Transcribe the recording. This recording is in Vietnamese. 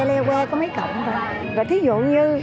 loe hoe có mấy cộng thôi rồi thí dụ như